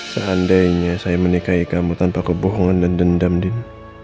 seandainya saya menikahi kamu tanpa kebohongan dan dendam diri